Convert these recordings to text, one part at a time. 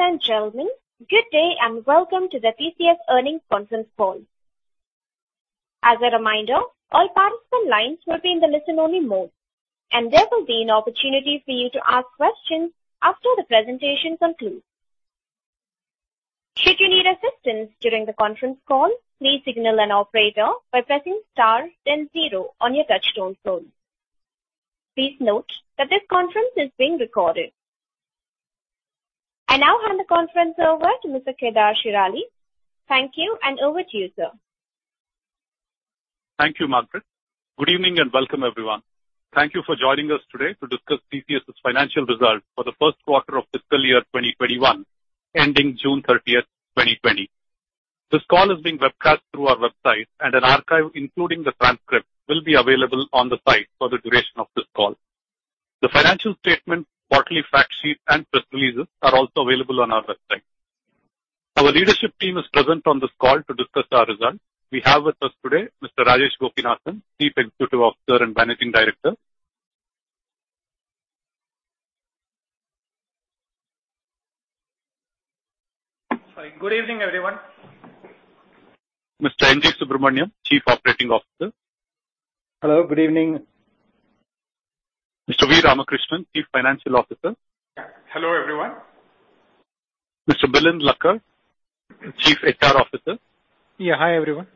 Ladies and gentlemen, good day and welcome to the TCS Earnings Conference Call. As a reminder, all participant lines will be in the listen only mode, and there will be an opportunity for you to ask questions after the presentation concludes. Should you need assistance during the conference call, please signal an operator by pressing star then zero on your touchtone phone. Please note that this conference is being recorded. I now hand the conference over to Mr. Kedar Shirali. Thank you, and over to you, sir. Thank you, Margaret. Good evening and welcome everyone. Thank you for joining us today to discuss TCS's financial results for the first quarter of fiscal year 2021 ending June 30th, 2020. This call is being webcast through our website, and an archive, including the transcript, will be available on the site for the duration of this call. The financial statement, quarterly fact sheet, and press releases are also available on our website. Our leadership team is present on this call to discuss our results. We have with us today Mr. Rajesh Gopinathan, Chief Executive Officer and Managing Director. Sorry, good evening, everyone. Mr. N.G. Subramaniam, Chief Operating Officer. Hello. Good evening. Mr. V. Ramakrishnan, Chief Financial Officer. Hello, everyone. Mr. Milind Lakkad, Chief HR Officer. Yeah. Hi, everyone.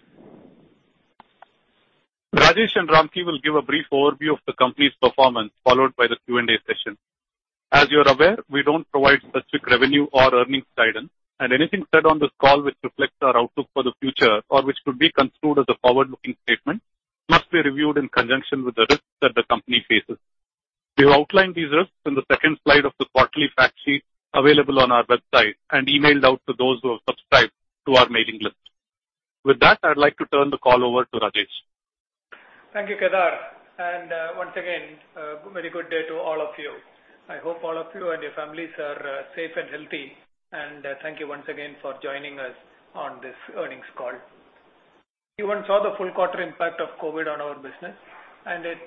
Rajesh and Ramki will give a brief overview of the company's performance, followed by the Q&A session. As you're aware, we don't provide specific revenue or earnings guidance, and anything said on this call which reflects our outlook for the future, or which could be construed as a forward-looking statement, must be reviewed in conjunction with the risks that the company faces. We have outlined these risks in the second slide of the quarterly fact sheet available on our website and emailed out to those who have subscribed to our mailing list. With that, I'd like to turn the call over to Rajesh. Thank you, Kedar. Once again, very good day to all of you. I hope all of you and your families are safe and healthy. Thank you once again for joining us on this earnings call. Q1 saw the full quarter impact of COVID on our business, and it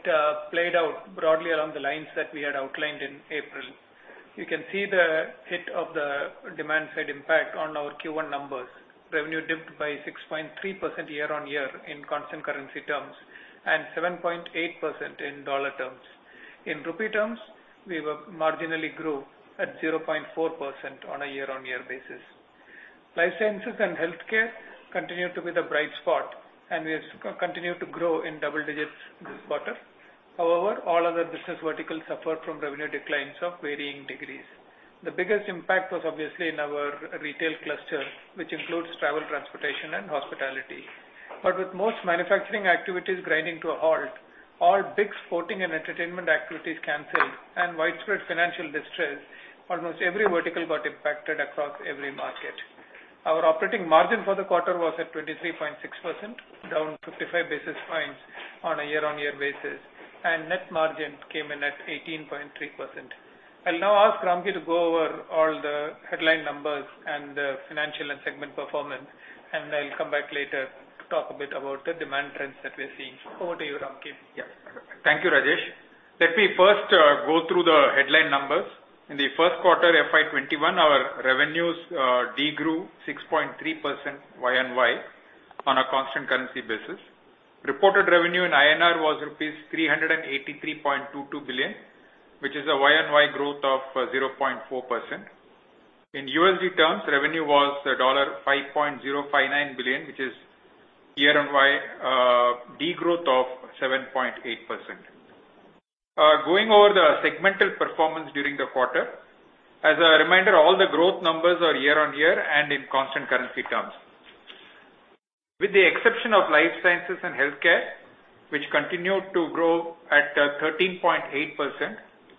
played out broadly along the lines that we had outlined in April. You can see the hit of the demand-side impact on our Q1 numbers. Revenue dipped by 6.3% year-on-year in constant currency terms, and 7.8% in dollar terms. In INR terms, we marginally grew at 0.4% on a year-on-year basis. Life sciences and healthcare continue to be the bright spot, and we continue to grow in double digits this quarter. However, all other business verticals suffer from revenue declines of varying degrees. The biggest impact was obviously in our retail cluster, which includes travel, transportation, and hospitality. With most manufacturing activities grinding to a halt, all big sporting and entertainment activities canceled, and widespread financial distress, almost every vertical got impacted across every market. Our operating margin for the quarter was at 23.6%, down 55 basis points on a year-on-year basis, and net margin came in at 18.3%. I'll now ask Ramki to go over all the headline numbers and the financial and segment performance, and I'll come back later to talk a bit about the demand trends that we're seeing. Over to you, Ramki. Yeah. Thank you, Rajesh. Let me first go through the headline numbers. In the first quarter FY 2021, our revenues de-grew 6.3% year-on-year on a constant currency basis. Reported revenue in INR was rupees 383.22 billion, which is a year-on-year growth of 0.4%. In USD terms, revenue was $5.059 billion, which is year-on-year de-growth of 7.8%. Going over the segmental performance during the quarter. As a reminder, all the growth numbers are year-on-year and in constant currency terms. With the exception of life sciences and healthcare, which continued to grow at 13.8%,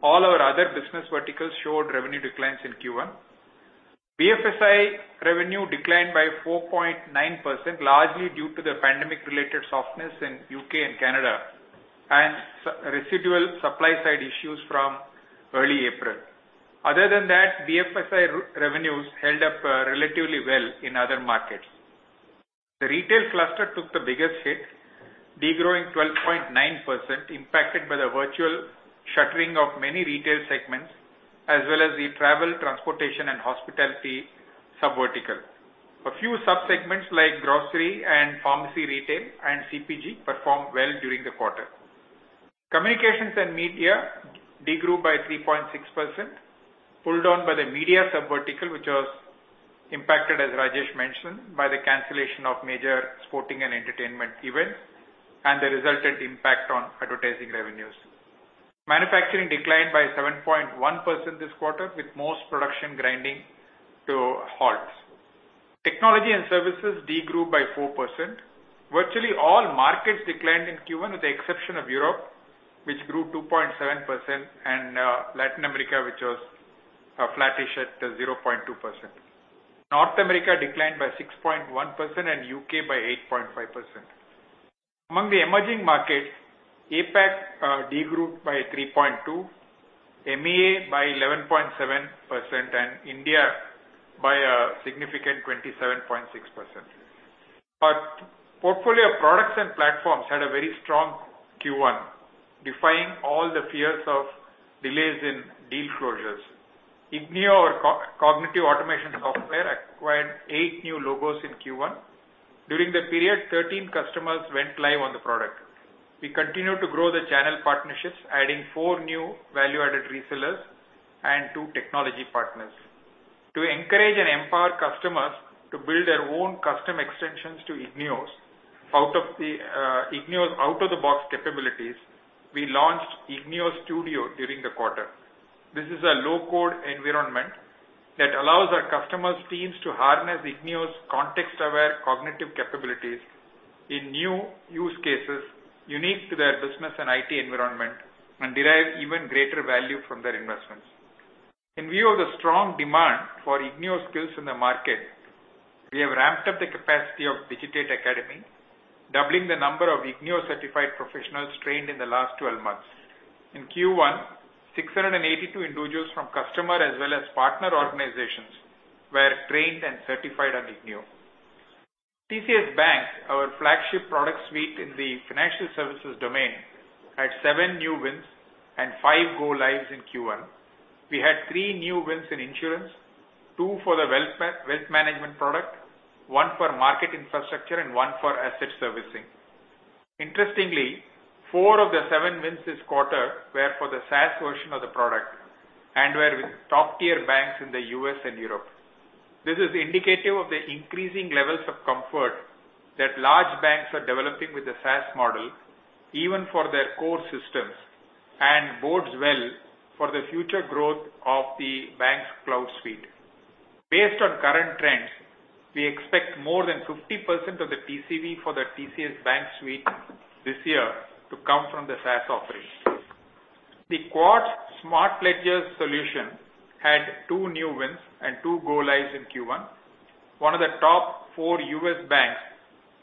all our other business verticals showed revenue declines in Q1. BFSI revenue declined by 4.9%, largely due to the pandemic-related softness in U.K. and Canada, and residual supply-side issues from early April. Other than that, BFSI revenues held up relatively well in other markets. The retail cluster took the biggest hit, de-growing 12.9% impacted by the virtual shuttering of many retail segments, as well as the travel, transportation, and hospitality sub-vertical. A few sub-segments like grocery and pharmacy retail and CPG performed well during the quarter. Communications and media de-grew by 3.6%, pulled down by the media sub-vertical, which was impacted, as Rajesh mentioned, by the cancellation of major sporting and entertainment events and the resultant impact on advertising revenues. Manufacturing declined by 7.1% this quarter, with most production grinding to a halt. Technology and services de-grew by 4%. Virtually all markets declined in Q1 with the exception of Europe, which grew 2.7%, and Latin America, which was flattish at 0.2%. North America declined by 6.1% and U.K. by 8.5%. Among the emerging markets, APAC de-grew by 3.2%, MEA by 11.7% and India by a significant 27.6%. Our portfolio of products and platforms had a very strong Q1, defying all the fears of delays in deal closures. ignio, our cognitive automation software, acquired eight new logos in Q1. During the period, 13 customers went live on the product. We continued to grow the channel partnerships, adding four new value-added resellers and two technology partners. To encourage and empower customers to build their own custom extensions to ignio's out-of-the-box capabilities, we launched ignio Studio during the quarter. This is a low-code environment that allows our customers' teams to harness ignio's context-aware cognitive capabilities in new use cases unique to their business and IT environment, and derive even greater value from their investments. In view of the strong demand for ignio skills in the market, we have ramped up the capacity of Digitate Academy, doubling the number of ignio-certified professionals trained in the last 12 months. In Q1, 682 individuals from customer as well as partner organizations were trained and certified on ignio. TCS BaNCS, our flagship product suite in the financial services domain, had seven new wins and five go lives in Q1. We had three new wins in insurance, two for the wealth management product, one for market infrastructure, and one for asset servicing. Interestingly, four of the seven wins this quarter were for the SaaS version of the product and were with top-tier banks in the U.S. and Europe. This is indicative of the increasing levels of comfort that large banks are developing with the SaaS model, even for their core systems, and bodes well for the future growth of the TCS BaNCS. Based on current trends, we expect more than 50% of the TCV for the TCS BaNCS this year to come from the SaaS offering. The Quartz Smart Ledgers solution had two new wins and two go lives in Q1. One of the top four U.S. banks,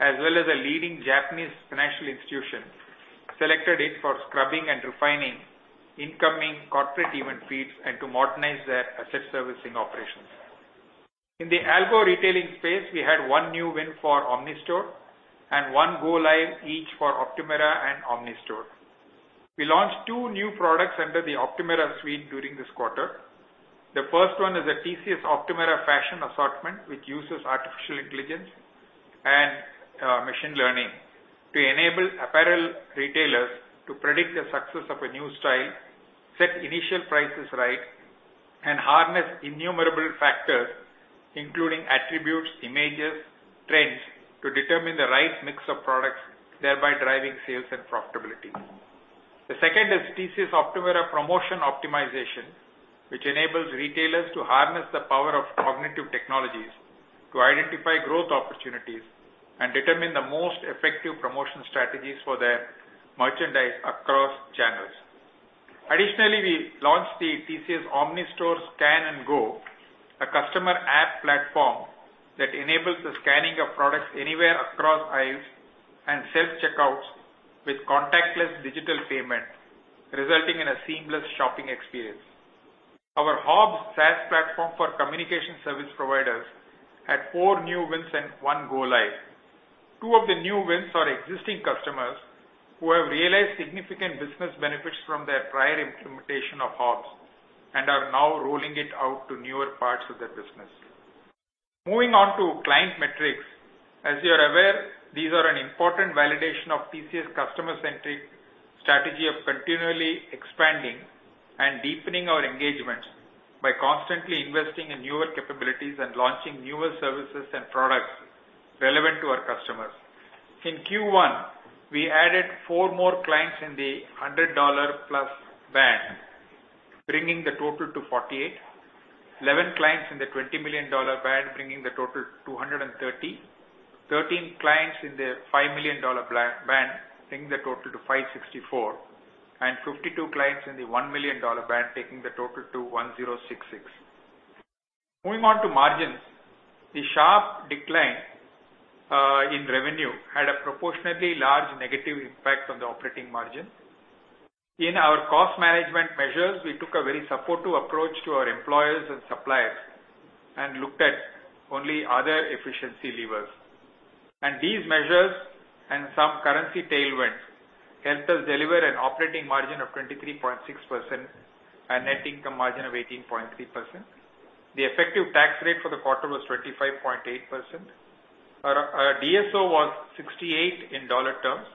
as well as a leading Japanese financial institution, selected it for scrubbing and refining incoming corporate event feeds and to modernize their asset servicing operations. In the AlgoRetail space, we had one new win for OmniStore and one go live each for Optumera and OmniStore. We launched two new products under the Optumera suite during this quarter. The first one is a TCS Optumera Fashion Assortment, which uses artificial intelligence and machine learning to enable apparel retailers to predict the success of a new style, set initial prices right, and harness innumerable factors, including attributes, images, trends, to determine the right mix of products, thereby driving sales and profitability. The second is TCS Optumera Promotion Optimization, which enables retailers to harness the power of cognitive technologies to identify growth opportunities and determine the most effective promotion strategies for their merchandise across channels. Additionally, we launched the TCS OmniStore Scan and Go, a customer app platform that enables the scanning of products anywhere across aisles and self-checkouts with contactless digital payment, resulting in a seamless shopping experience. Our HOBS SaaS platform for communication service providers had four new wins and one go live. Two of the new wins are existing customers who have realized significant business benefits from their prior implementation of HOBS and are now rolling it out to newer parts of their business. Moving on to client metrics. As you're aware, these are an important validation of TCS' customer-centric strategy of continually expanding and deepening our engagement by constantly investing in newer capabilities and launching newer services and products relevant to our customers. In Q1, we added four more clients in the $100 million-plus band, bringing the total to 48. 11 clients in the $20 million band, bringing the total to 130. 13 clients in the $5 million band, bringing the total to 564, and 52 clients in the $1 million band, taking the total to 1,066. Moving on to margins. The sharp decline in revenue had a proportionately large negative impact on the operating margin. In our cost management measures, we took a very supportive approach to our employees and suppliers and looked at only other efficiency levers. These measures and some currency tailwinds helped us deliver an operating margin of 23.6% and net income margin of 18.3%. The effective tax rate for the quarter was 25.8%. Our DSO was 68 in dollar terms.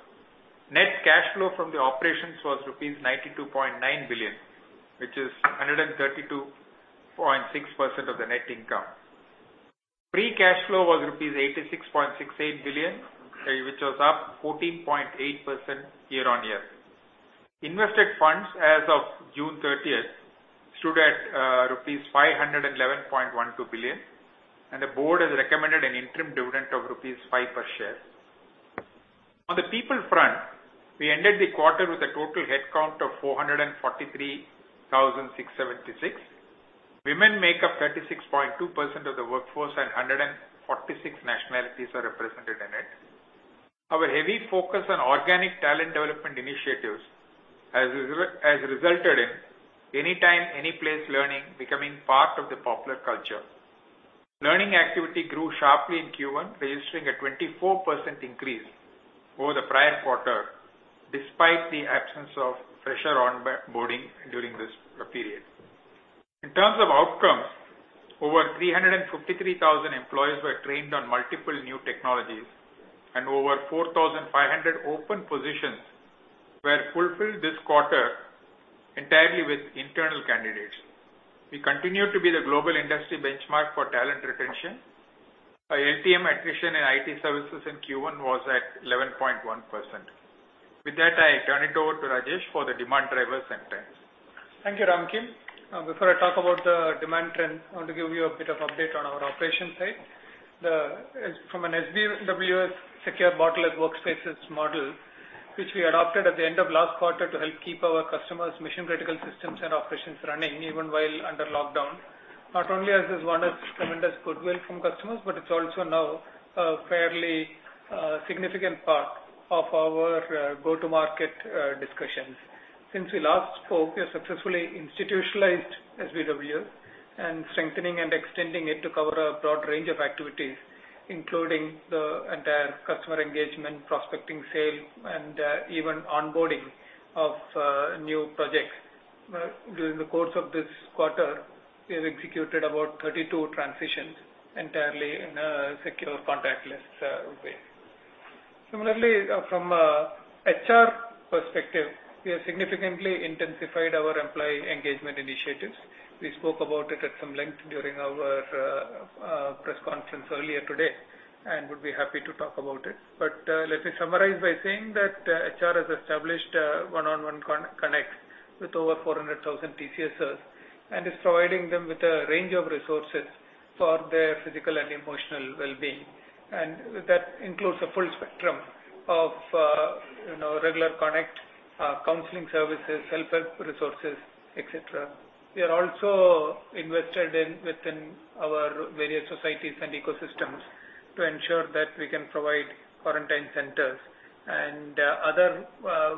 Net cash flow from the operations was rupees 92.9 billion, which is 132.6% of the net income. Free cash flow was rupees 86.68 billion, which was up 14.8% year-over-year. Invested funds as of June 30th stood at rupees 511.12 billion. The board has recommended an interim dividend of rupees 5 per share. On the people front, we ended the quarter with a total headcount of 443,676. Women make up 36.2% of the workforce. 146 nationalities are represented in it. Our heavy focus on organic talent development initiatives has resulted in anytime, any place learning becoming part of the popular culture. Learning activity grew sharply in Q1, registering a 24% increase over the prior quarter, despite the absence of fresher onboarding during this period. In terms of outcomes, over 353,000 employees were trained on multiple new technologies. Over 4,500 open positions were fulfilled this quarter entirely with internal candidates. We continue to be the global industry benchmark for talent retention. Our LTM attrition in IT services in Q1 was at 11.1%. With that, I turn it over to Rajesh for the demand drivers and trends. Thank you, Ramki. Before I talk about the demand trends, I want to give you a bit of update on our operations side. From an SBWS, Secure Borderless Workspaces model, which we adopted at the end of last quarter to help keep our customers' mission-critical systems and operations running even while under lockdown. Not only has this won us tremendous goodwill from customers, but it's also now a fairly significant part of our go-to-market discussions. Since we last spoke, we have successfully institutionalized SBWS and strengthening and extending it to cover a broad range of activities, including the entire customer engagement, prospecting sale, and even onboarding of new projects. During the course of this quarter, we have executed about 32 transitions entirely in a secure contactless way. Similarly, from a HR perspective, we have significantly intensified our employee engagement initiatives. We spoke about it at some length during our press conference earlier today, and would be happy to talk about it. Let me summarize by saying that HR has established one-on-one connects with over 400,000 TCSers, and is providing them with a range of resources for their physical and emotional well-being. That includes a full spectrum of regular connect, counseling services, self-help resources, et cetera. We are also invested within our various societies and ecosystems to ensure that we can provide quarantine centers and other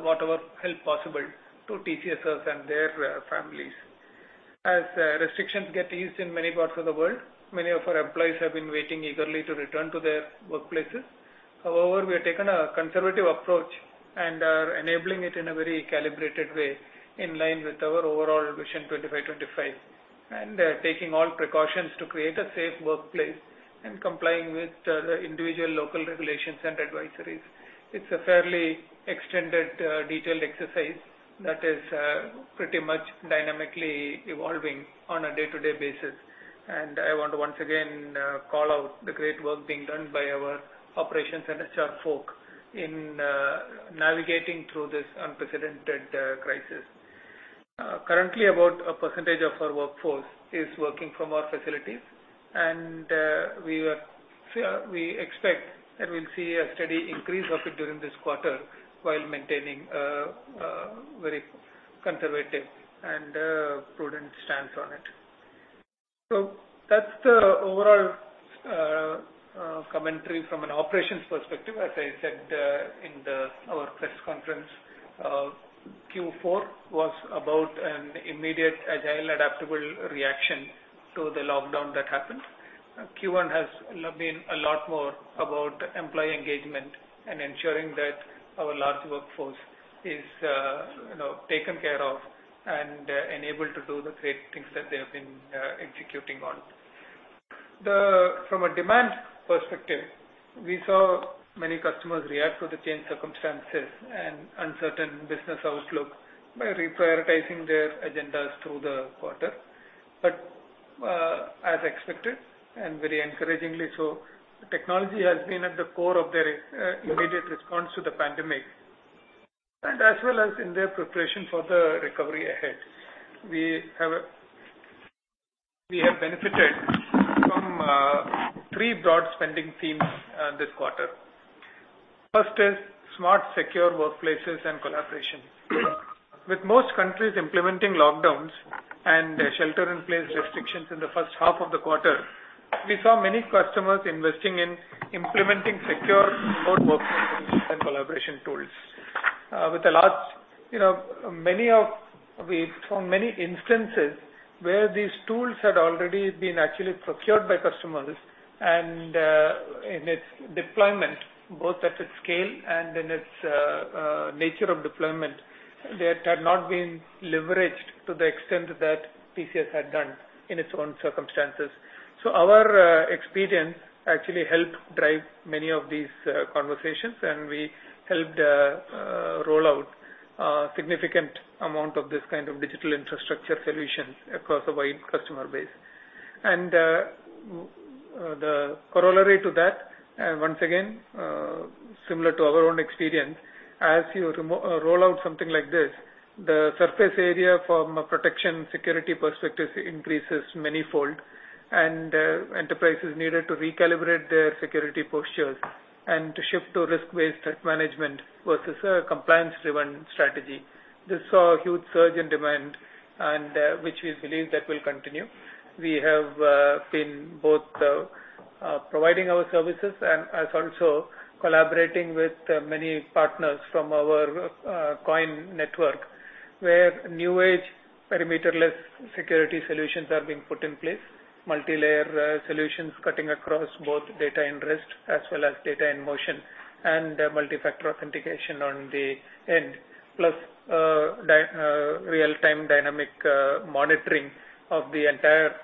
whatever help possible to TCSers and their families. As restrictions get eased in many parts of the world, many of our employees have been waiting eagerly to return to their workplaces. However, we have taken a conservative approach and are enabling it in a very calibrated way, in line with our overall Vision 25x25, and taking all precautions to create a safe workplace and complying with the individual local regulations and advisories. It's a fairly extended, detailed exercise that is pretty much dynamically evolving on a day-to-day basis. I want to once again call out the great work being done by our operations and HR folk in navigating through this unprecedented crisis. Currently, about a percentage of our workforce is working from our facilities, and we expect that we'll see a steady increase of it during this quarter while maintaining a very conservative and prudent stance on it. That's the overall commentary from an operations perspective. As I said in our press conference, Q4 was about an immediate, agile, adaptable reaction to the lockdown that happened. Q1 has been a lot more about employee engagement and ensuring that our large workforce is taken care of and enabled to do the great things that they have been executing on. From a demand perspective, we saw many customers react to the changed circumstances and uncertain business outlook by reprioritizing their agendas through the quarter. As expected and very encouragingly so, technology has been at the core of their immediate response to the pandemic, and as well as in their preparation for the recovery ahead. We have benefited from three broad spending themes this quarter. First is smart, secure workplaces and collaboration. With most countries implementing lockdowns and shelter-in-place restrictions in the first half of the quarter, we saw many customers investing in implementing secure remote working and collaboration tools. We saw many instances where these tools had already been actually procured by customers, and in its deployment, both at its scale and in its nature of deployment, that had not been leveraged to the extent that TCS had done in its own circumstances. Our experience actually helped drive many of these conversations, and we helped roll out a significant amount of this kind of digital infrastructure solutions across a wide customer base. The corollary to that, once again, similar to our own experience, as you roll out something like this, the surface area from a protection security perspective increases manyfold. Enterprises needed to recalibrate their security postures and to shift to risk-based management versus a compliance-driven strategy. This saw a huge surge in demand which we believe that will continue. We have been both providing our services and as also collaborating with many partners from our COIN Network, where new age perimeterless security solutions are being put in place, multilayer solutions cutting across both data in rest as well as data in motion, and multi-factor authentication on the end. Plus, real-time dynamic monitoring of the entire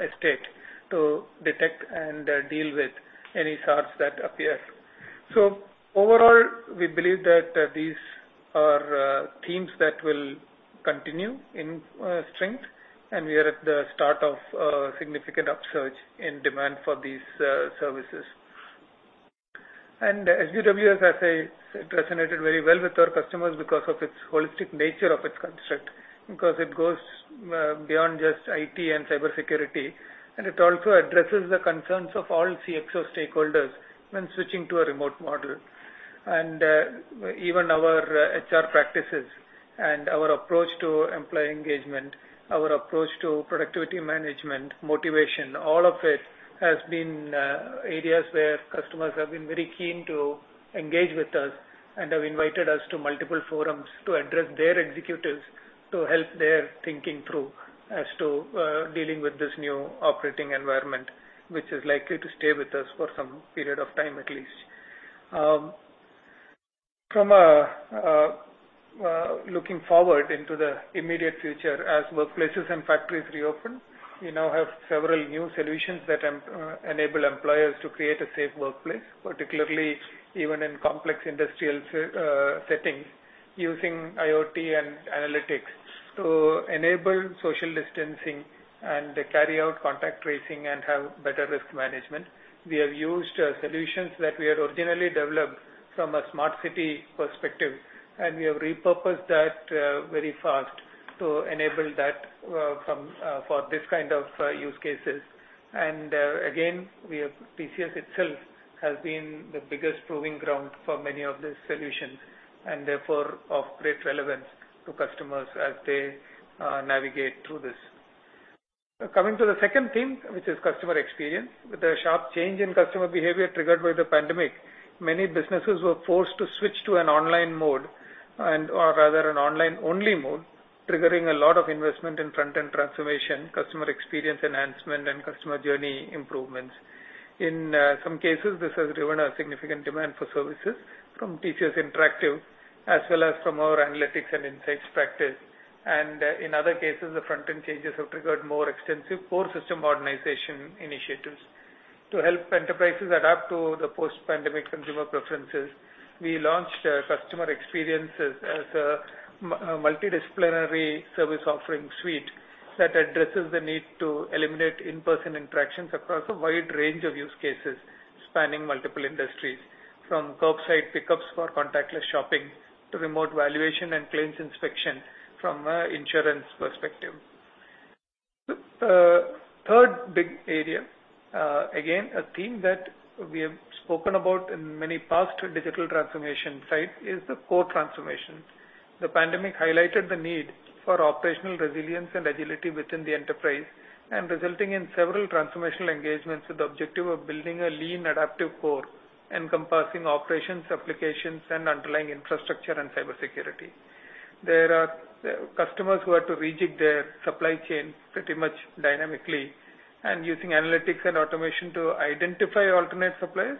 estate to detect and deal with any sorts that appear. Overall, we believe that these are themes that will continue in strength, and we are at the start of a significant upsurge in demand for these services. SBWS has resonated very well with our customers because of its holistic nature of its construct. Because it goes beyond just IT and cybersecurity, and it also addresses the concerns of all CXO stakeholders when switching to a remote model. Even our HR practices and our approach to employee engagement, our approach to productivity management, motivation, all of it has been areas where customers have been very keen to engage with us and have invited us to multiple forums to address their executives to help their thinking through as to dealing with this new operating environment, which is likely to stay with us for some period of time, at least. From looking forward into the immediate future as workplaces and factories reopen, we now have several new solutions that enable employers to create a safe workplace, particularly even in complex industrial settings using IoT and analytics to enable social distancing and carry out contact tracing and have better risk management. We have used solutions that we had originally developed from a smart city perspective, and we have repurposed that very fast to enable that for these kind of use cases. Again, TCS itself has been the biggest proving ground for many of these solutions, and therefore of great relevance to customers as they navigate through this. Now, coming to the second theme, which is customer experience. With a sharp change in customer behavior triggered by the pandemic, many businesses were forced to switch to an online mode or rather an online-only mode, triggering a lot of investment in front-end transformation, customer experience enhancement, and customer journey improvements. In some cases, this has driven a significant demand for services from TCS Interactive, as well as from our analytics and insights practice. In other cases, the front-end changes have triggered more extensive core system modernization initiatives. To help enterprises adapt to the post-pandemic consumer preferences, we launched customer experiences as a multidisciplinary service offering suite that addresses the need to eliminate in-person interactions across a wide range of use cases, spanning multiple industries, from curbside pickups for contactless shopping to remote valuation and claims inspection from an insurance perspective. The third big area, again, a theme that we have spoken about in many past digital transformation sites is the core transformation. The pandemic highlighted the need for operational resilience and agility within the enterprise and resulting in several transformational engagements with the objective of building a lean adaptive core encompassing operations, applications, and underlying infrastructure and cybersecurity. There are customers who had to rejig their supply chain pretty much dynamically and using analytics and automation to identify alternate suppliers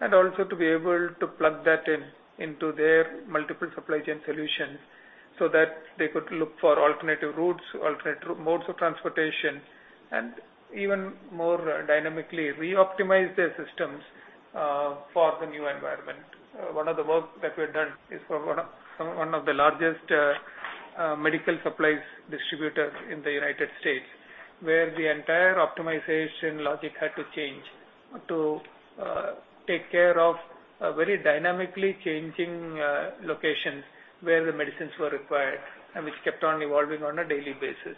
and also to be able to plug that in into their multiple supply chain solutions so that they could look for alternative routes, alternative modes of transportation, and even more dynamically reoptimize their systems for the new environment. One of the work that we've done is for one of the largest medical supplies distributors in the United States, where the entire optimization logic had to change to take care of very dynamically changing locations where the medicines were required and which kept on evolving on a daily basis.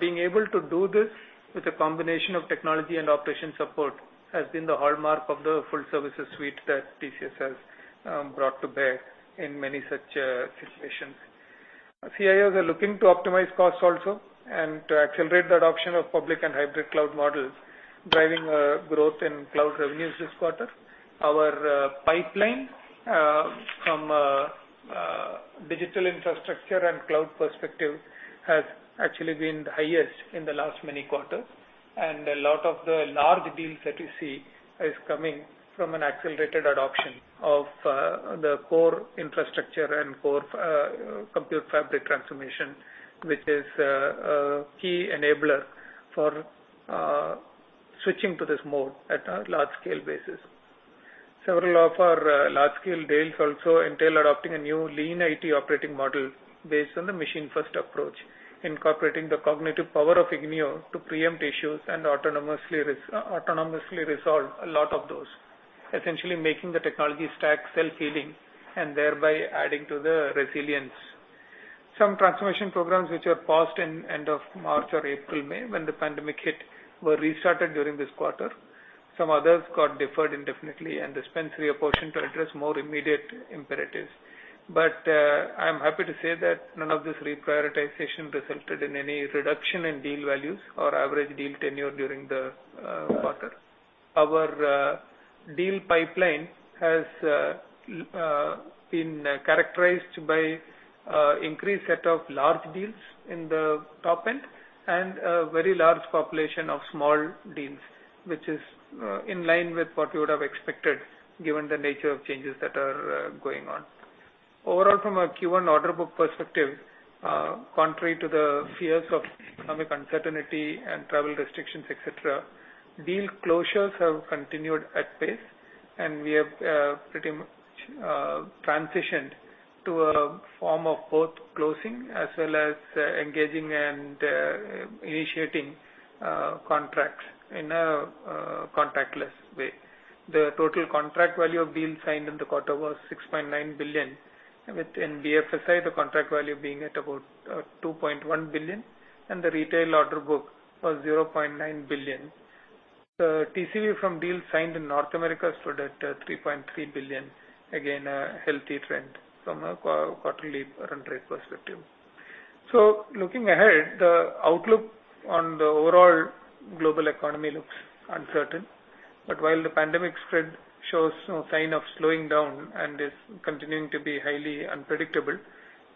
Being able to do this with a combination of technology and operation support has been the hallmark of the full services suite that TCS has brought to bear in many such situations. CIOs are looking to optimize costs also and to accelerate the adoption of public and hybrid cloud models, driving a growth in cloud revenues this quarter. Our pipeline from a digital infrastructure and cloud perspective has actually been the highest in the last many quarters, and a lot of the large deals that you see is coming from an accelerated adoption of the core infrastructure and core compute fabric transformation, which is a key enabler for switching to this mode at a large-scale basis. Several of our large-scale deals also entail adopting a new lean IT operating model based on the Machine-First approach, incorporating the cognitive power of ignio to preempt issues and autonomously resolve a lot of those, essentially making the technology stack self-healing and thereby adding to the resilience. Some transformation programs which were paused in end of March or April, May, when the pandemic hit, were restarted during this quarter. Some others got deferred indefinitely and this reprioritization to address more immediate imperatives. I'm happy to say that none of this reprioritization resulted in any reduction in deal values or average deal tenure during the quarter. Our deal pipeline has been characterized by increased set of large deals in the top end and a very large population of small deals, which is in line with what we would have expected given the nature of changes that are going on. Overall, from a Q1 order book perspective, contrary to the fears of economic uncertainty and travel restrictions, et cetera, deal closures have continued at pace, and we have pretty much transitioned to a form of both closing as well as engaging and initiating contracts in a contactless way. The total contract value of deals signed in the quarter was $6.9 billion, within BFSI, the contract value being at about $2.1 billion, and the retail order book was $0.9 billion. The TCV from deals signed in North America stood at $3.3 billion, again, a healthy trend from a quarterly run rate perspective. Looking ahead, the outlook on the overall global economy looks uncertain. While the pandemic spread shows no sign of slowing down and is continuing to be highly unpredictable,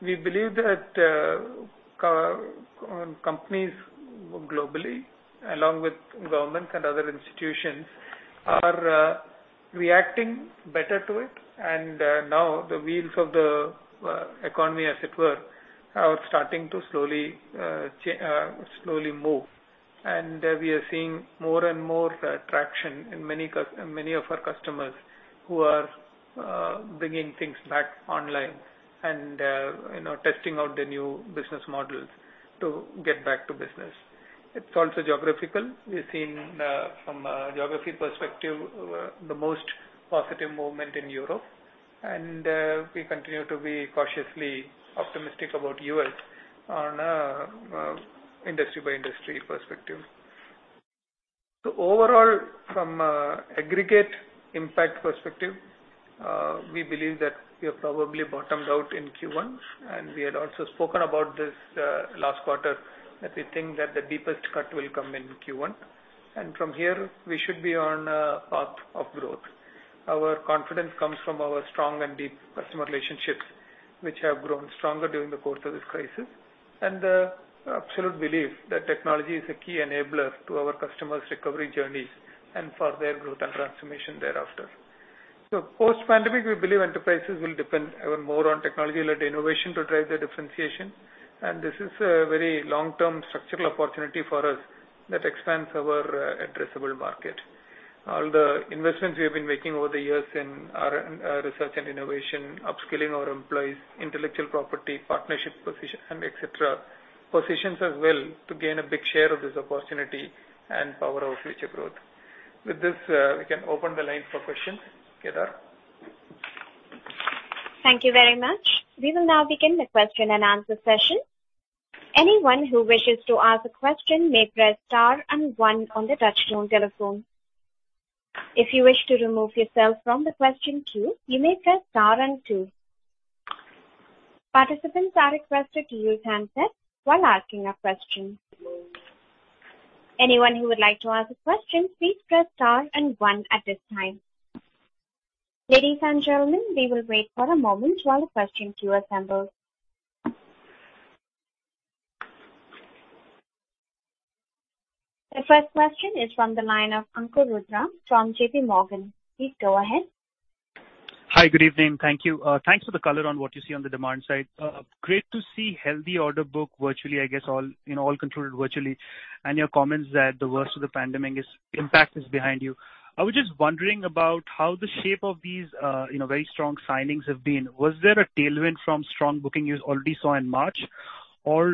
we believe that companies globally, along with governments and other institutions, are reacting better to it. Now the wheels of the economy, as it were, are starting to slowly move. We are seeing more and more traction in many of our customers who are bringing things back online and testing out their new business models to get back to business. It's also geographical. We've seen from a geography perspective the most positive movement in Europe, and we continue to be cautiously optimistic about U.S. on an industry-by-industry perspective. Overall, from aggregate impact perspective, we believe that we have probably bottomed out in Q1, and we had also spoken about this last quarter that we think that the deepest cut will come in Q1. From here, we should be on a path of growth. Our confidence comes from our strong and deep customer relationships, which have grown stronger during the course of this crisis, and the absolute belief that technology is a key enabler to our customers' recovery journeys and for their growth and transformation thereafter. Post-pandemic, we believe enterprises will depend even more on technology-led innovation to drive their differentiation. This is a very long-term structural opportunity for us that expands our addressable market. All the investments we have been making over the years in our research and innovation, upskilling our employees, intellectual property, partnership positions, et cetera, positions us well to gain a big share of this opportunity and power our future growth. With this, we can open the line for questions. Kedar? Thank you very much. We will now begin the question and answer session. Anyone who wishes to ask a question may press star and one on the touchtone telephone. If you wish to remove yourself from the question queue, you may press star and two. Participants are requested to use handsets while asking a question. Anyone who would like to ask a question, please press star and one at this time. Ladies and gentlemen, we will wait for a moment while the question queue assembles. The first question is from the line of Ankur Rudra from J.P. Morgan. Please go ahead. Hi. Good evening. Thank you. Thanks for the color on what you see on the demand side. Great to see healthy order book virtually, I guess, all controlled virtually, and your comments that the worst of the pandemic impact is behind you. I was just wondering about how the shape of these very strong signings have been. Was there a tailwind from strong booking you already saw in March, or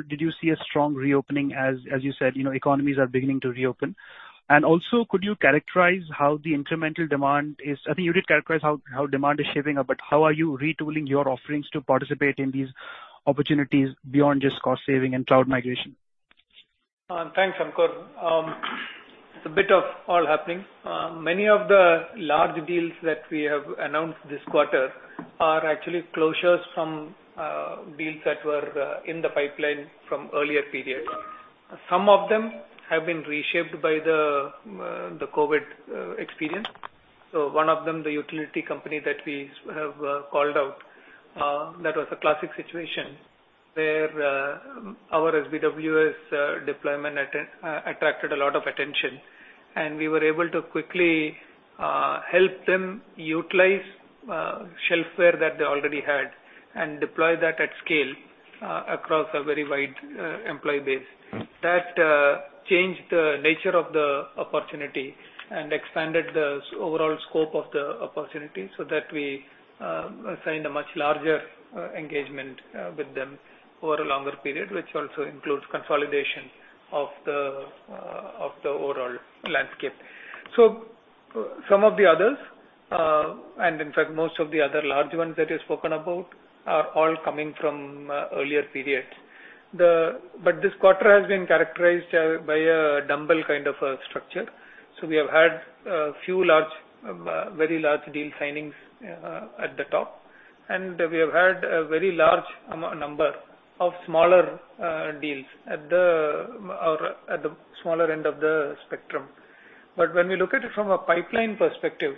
did you see a strong reopening as you said, economies are beginning to reopen? Also, could you characterize how demand is shaping up, but how are you retooling your offerings to participate in these opportunities beyond just cost saving and cloud migration? Thanks, Ankur. It's a bit of all happening. Many of the large deals that we have announced this quarter are actually closures from deals that were in the pipeline from earlier periods. Some of them have been reshaped by the COVID experience. One of them, the utility company that we have called out, that was a classic situation where our SBWS deployment attracted a lot of attention, and we were able to quickly help them utilize shelfware that they already had and deploy that at scale across a very wide employee base. That changed the nature of the opportunity and expanded the overall scope of the opportunity so that we signed a much larger engagement with them over a longer period, which also includes consolidation of the overall landscape. Some of the others-And in fact, most of the other large ones that you've spoken about are all coming from earlier periods. This quarter has been characterized by a dumbbell kind of a structure. We have had a few very large deal signings at the top. We have had a very large number of smaller deals at the smaller end of the spectrum. When we look at it from a pipeline perspective,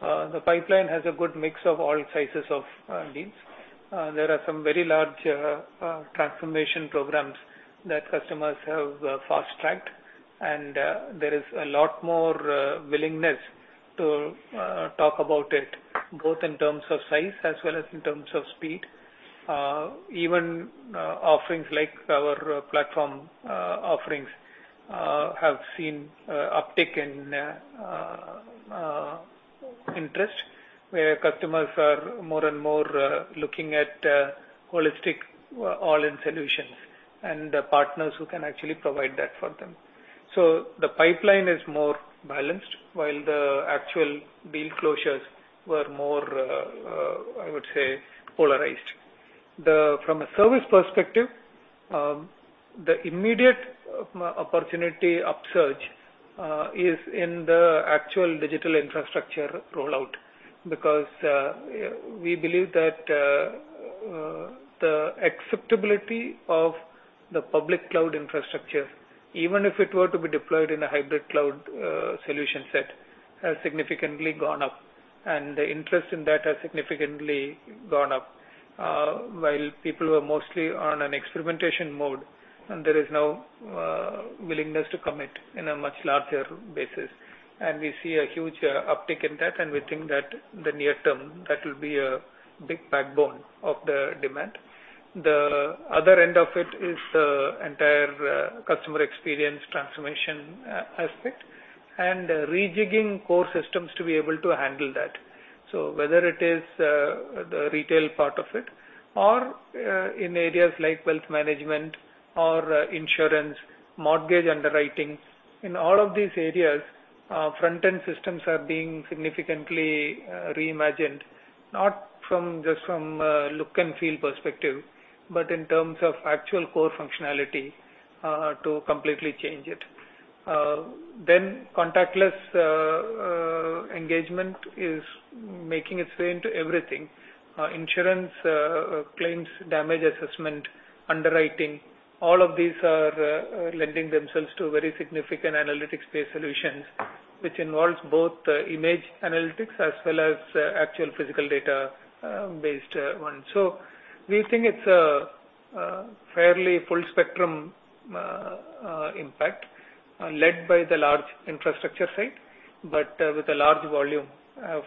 the pipeline has a good mix of all sizes of deals. There are some very large transformation programs that customers have fast-tracked. There is a lot more willingness to talk about it, both in terms of size as well as in terms of speed. Even offerings like our platform offerings have seen uptick in interest, where customers are more and more looking at holistic all-in solutions and partners who can actually provide that for them. The pipeline is more balanced, while the actual deal closures were more, I would say, polarized. From a service perspective, the immediate opportunity upsurge is in the actual digital infrastructure rollout, because we believe that the acceptability of the public cloud infrastructure, even if it were to be deployed in a hybrid cloud solution set, has significantly gone up, and the interest in that has significantly gone up. While people were mostly on an experimentation mode, and there is now willingness to commit in a much larger basis. We see a huge uptick in that, and we think that in the near term, that will be a big backbone of the demand. The other end of it is the entire customer experience transformation aspect and rejigging core systems to be able to handle that. Whether it is the retail part of it or in areas like wealth management or insurance, mortgage underwriting, in all of these areas, front-end systems are being significantly reimagined, not just from a look-and-feel perspective, but in terms of actual core functionality to completely change it. Contactless engagement is making its way into everything. Insurance claims, damage assessment, underwriting, all of these are lending themselves to very significant analytics-based solutions, which involves both image analytics as well as actual physical data-based ones. We think it's a fairly full-spectrum impact led by the large infrastructure side, but with a large volume of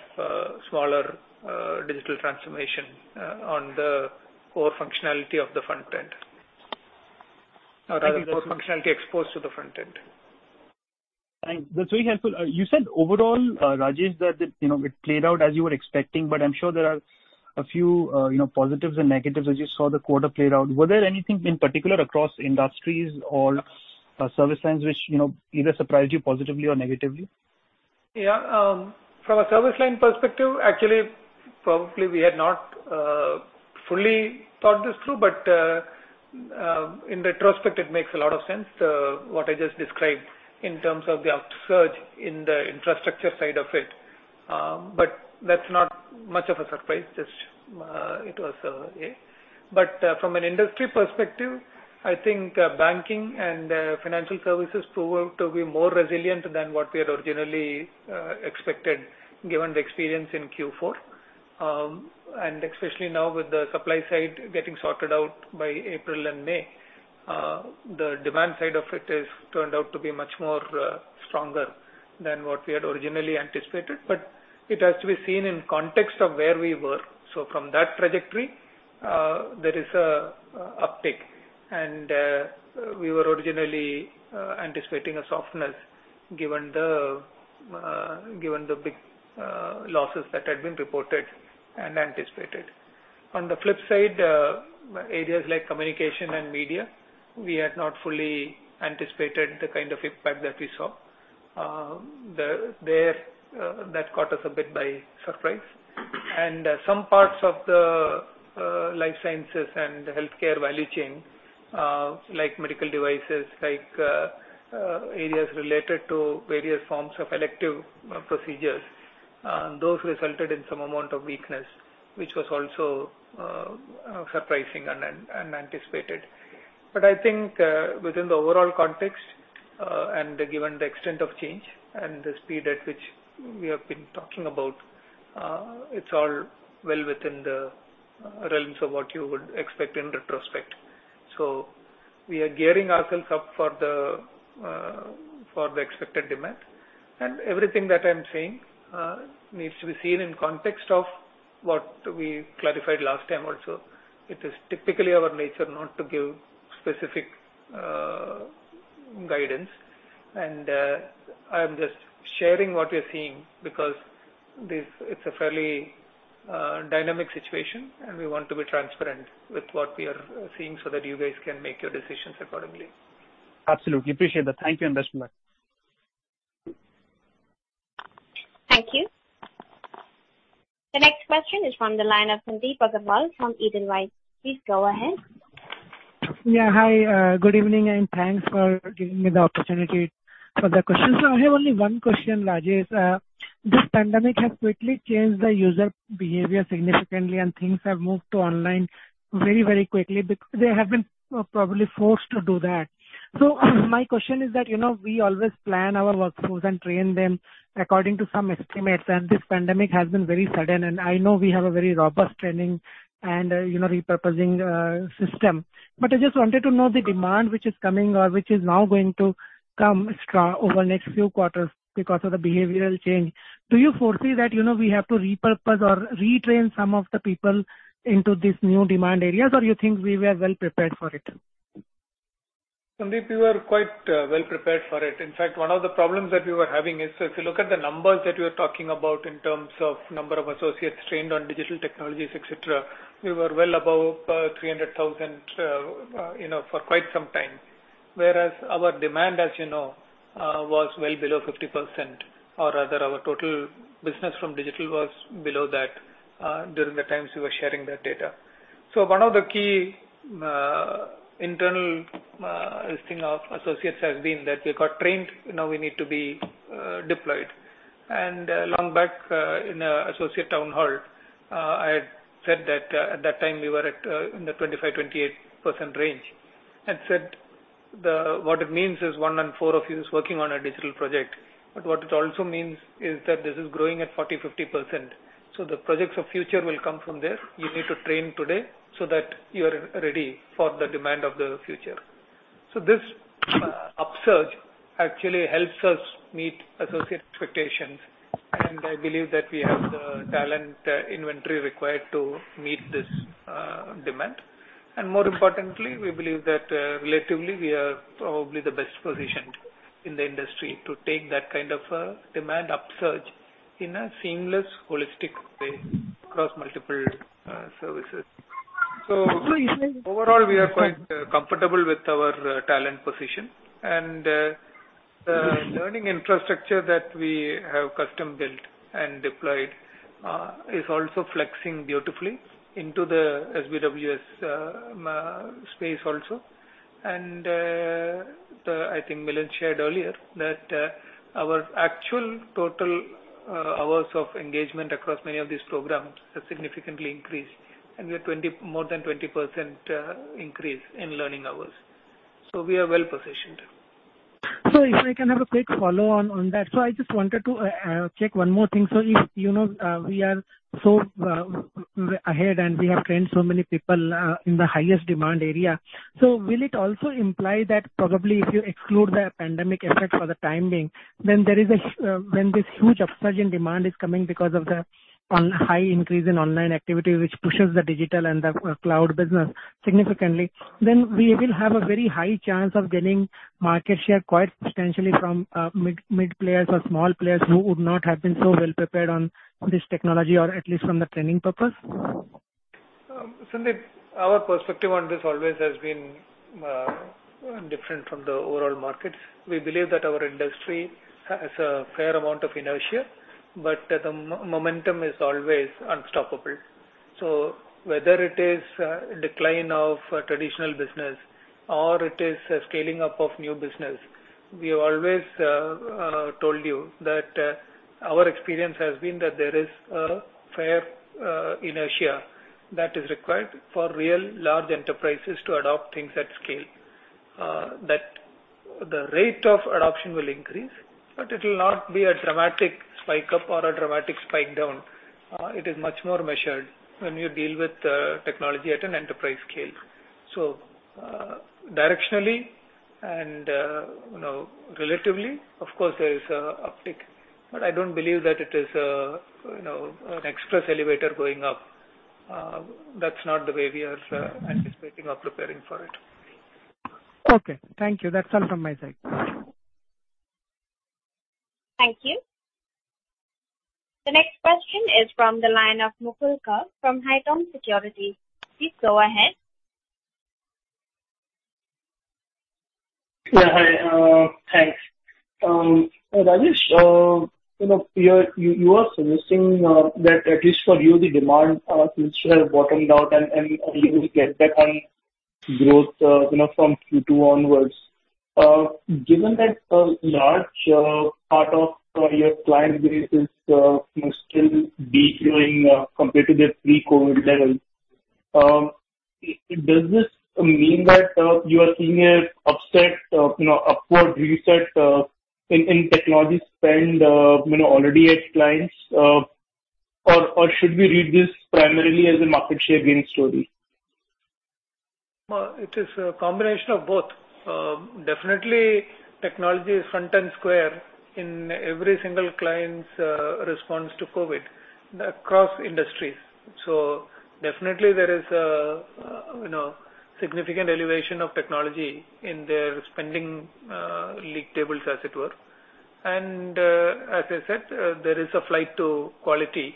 smaller digital transformation on the core functionality of the front end. Rather, core functionality exposed to the front end. Thanks. That's very helpful. You said overall, Rajesh, that it played out as you were expecting, but I'm sure there are a few positives and negatives as you saw the quarter played out. Was there anything in particular across industries or service lines which either surprised you positively or negatively? Yeah. From a service line perspective, actually, probably we had not fully thought this through, but in retrospect, it makes a lot of sense what I just described in terms of the upsurge in the infrastructure side of it. That's not much of a surprise. From an industry perspective, I think banking and financial services proved to be more resilient than what we had originally expected, given the experience in Q4. Especially now with the supply side getting sorted out by April and May. The demand side of it has turned out to be much more stronger than what we had originally anticipated, but it has to be seen in context of where we were. From that trajectory, there is an uptick, and we were originally anticipating a softness given the big losses that had been reported and anticipated. On the flip side, areas like communication and media, we had not fully anticipated the kind of impact that we saw. That caught us a bit by surprise. Some parts of the life sciences and the healthcare value chain, like medical devices, like areas related to various forms of elective procedures, those resulted in some amount of weakness, which was also surprising and unanticipated. I think within the overall context, and given the extent of change and the speed at which we have been talking about, it's all well within the realms of what you would expect in retrospect. We are gearing ourselves up for the expected demand. Everything that I'm saying needs to be seen in context of what we clarified last time also. It is typically our nature not to give specific guidance. I'm just sharing what we're seeing because it's a fairly dynamic situation, and we want to be transparent with what we are seeing so that you guys can make your decisions accordingly. Absolutely. Appreciate that. Thank you, and best of luck. Thank you. The next question is from the line of Sandip Agarwal from Edelweiss. Please go ahead. Yeah. Hi, good evening, thanks for giving me the opportunity for the questions. I have only one question, Rajesh. This pandemic has quickly changed the user behavior significantly, and things have moved to online very quickly, because they have been probably forced to do that. My question is that we always plan our workforce and train them according to some estimates, this pandemic has been very sudden, I know we have a very robust training and repurposing system. I just wanted to know the demand which is coming, or which is now going to come strong over the next few quarters because of the behavioral change. Do you foresee that we have to repurpose or retrain some of the people into these new demand areas, or you think we were well-prepared for it? Sandip, we were quite well-prepared for it. In fact, one of the problems that we were having is, if you look at the numbers that we're talking about in terms of number of associates trained on digital technologies, et cetera, we were well above 300,000 for quite some time. Whereas our demand, as you know, was well below 50%, or rather, our total business from digital was below that during the times we were sharing that data. One of the key internal feeling of associates has been that we got trained, now we need to be deployed. Long back, in Associate Town Hall, I had said that at that time we were in the 25%-28% range, and said what it means is one in four of you is working on a digital project. What it also means is that this is growing at 40%-50%. The projects of future will come from there. You need to train today so that you're ready for the demand of the future. This upsurge actually helps us meet associate expectations, and I believe that we have the talent inventory required to meet this demand. More importantly, we believe that relatively we are probably the best positioned in the industry to take that kind of a demand upsurge in a seamless, holistic way across multiple services. So if I- Overall, we are quite comfortable with our talent position, and the learning infrastructure that we have custom-built and deployed is also flexing beautifully into the SBWS space also. I think Milind shared earlier that our actual total hours of engagement across many of these programs has significantly increased, and we're more than 20% increase in learning hours. We are well-positioned. If I can have a quick follow-on on that. I just wanted to check one more thing. If we are so ahead and we have trained so many people in the highest demand area. Will it also imply that probably if you exclude the pandemic effect for the time being, when this huge upsurge in demand is coming because of the high increase in online activity, which pushes the digital and the cloud business significantly, then we will have a very high chance of gaining market share quite substantially from mid players or small players who would not have been so well-prepared on this technology, or at least from the training purpose? Sandip, our perspective on this always has been different from the overall market. We believe that our industry has a fair amount of inertia, but the momentum is always unstoppable. Whether it is a decline of traditional business or it is a scaling up of new business, we have always told you that our experience has been that there is a fair inertia that is required for real large enterprises to adopt things at scale. That the rate of adoption will increase, but it will not be a dramatic spike up or a dramatic spike down. It is much more measured when you deal with technology at an enterprise scale. Directionally and relatively, of course, there is an uptick, but I don't believe that it is an express elevator going up. That's not the way we are anticipating or preparing for it. Okay. Thank you. That's all from my side. Thank you. The next question is from the line of Mukul Garg from Haitong Securities. Please go ahead. Yeah. Hi, thanks. Rajesh, you are suggesting that at least for you, the demand seems to have bottomed out and you will get back on growth from Q2 onwards. Given that a large part of your client base is still de-growing compared to their pre-COVID levels, does this mean that you are seeing an upset, upward reset in technology spend already at clients? Should we read this primarily as a market share gain story? It is a combination of both. Definitely, technology is front and square in every single client's response to COVID across industries. Definitely, there is a significant elevation of technology in their spending leak tables as it were. As I said, there is a flight to quality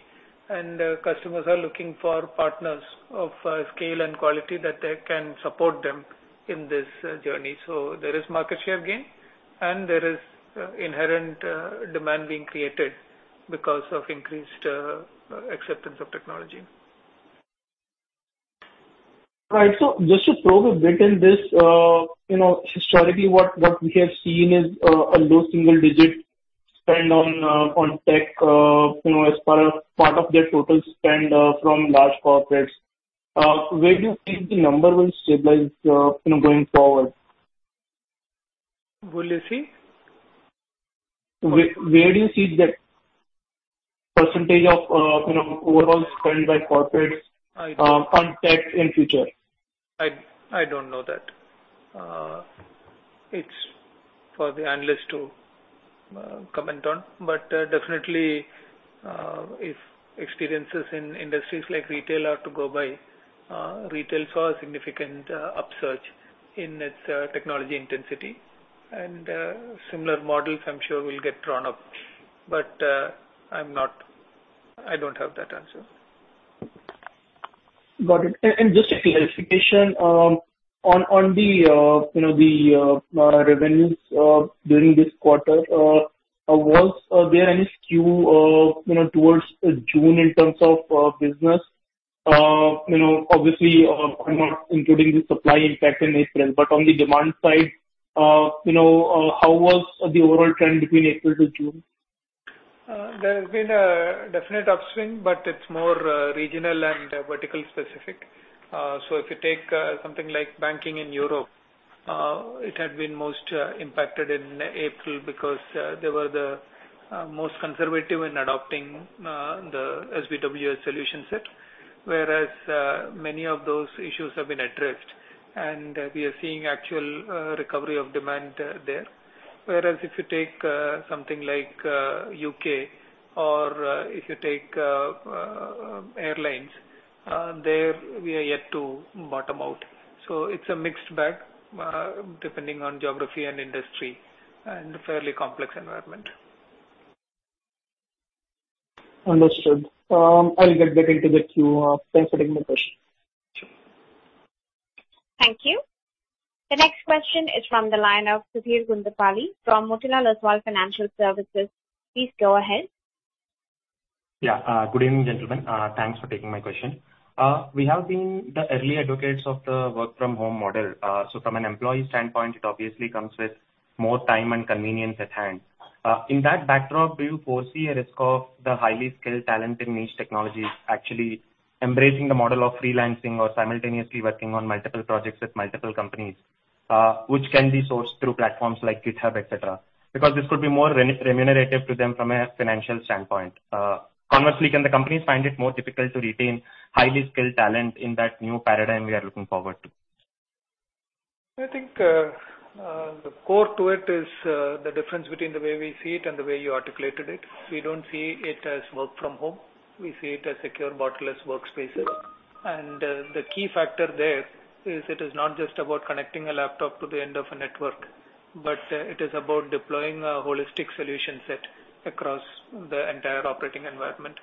and customers are looking for partners of scale and quality that can support them in this journey. There is market share gain and there is inherent demand being created because of increased acceptance of technology. Right. Just to probe a bit in this, historically what we have seen is a low single-digit spend on tech as part of their total spend from large corporates. Where do you think the number will stabilize going forward? Will you see? Where do you see that percentage of overall spend by corporates- I don't- On tech in future? I don't know that. It's for the analyst to comment on. Definitely, if experiences in industries like retail are to go by, retail saw a significant upsurge in its technology intensity and similar models I'm sure will get drawn up. I don't have that answer. Got it. Just a clarification. On the revenues during this quarter, was there any skew towards June in terms of business? Obviously, I am not including the supply impact in April, but on the demand side, how was the overall trend between April to June? There's been a definite upswing, but it's more regional and vertical specific. If you take something like banking in Europe, it had been most impacted in April because they were the most conservative in adopting the SBWS solution set. Many of those issues have been addressed and we are seeing actual recovery of demand there. If you take something like U.K. or if you take airlines, there we are yet to bottom out. It's a mixed bag, depending on geography and industry, and a fairly complex environment. Understood. I'll get back into the queue. Thanks for taking my question. Sure. Thank you. The next question is from the line of Sudheer Guntupalli from Motilal Oswal Financial Services. Please go ahead. Yeah. Good evening, gentlemen. Thanks for taking my question. We have been the early advocates of the work-from-home model. From an employee standpoint, it obviously comes with more time and convenience at hand. In that backdrop, do you foresee a risk of the highly skilled talent in niche technologies actually embracing the model of freelancing or simultaneously working on multiple projects with multiple companies, which can be sourced through platforms like GitHub, et cetera? Because this could be more remunerative to them from a financial standpoint. Conversely, can the companies find it more difficult to retain highly skilled talent in that new paradigm we are looking forward to? I think the core to it is the difference between the way we see it and the way you articulated it. We don't see it as work from home. We see it as Secure Borderless Workspaces. The key factor there is it is not just about connecting a laptop to the end of a network, but it is about deploying a holistic solution set across the entire operating environment.